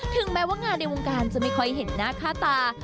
ถึงแม้ว่างานในวงการจะไม่ค่อยเห็นหน้าค่าตา